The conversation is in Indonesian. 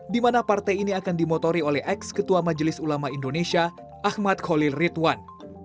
di mana partai ini akan dimotori oleh ex ketua majelis ulama indonesia ahmad khalil ridwan